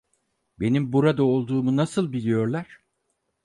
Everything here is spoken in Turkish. Benim burada olduğumu nasıl biliyorlar?